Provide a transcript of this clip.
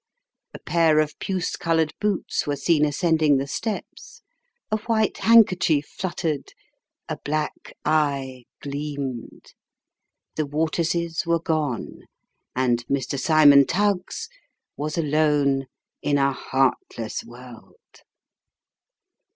A pair of puce coloured boots were seen ascending the steps, a white handkerchief fluttered, a black eye gleamed. The Waters's were gone, and Mr. Cymon Tuggs was alone in a heartless world.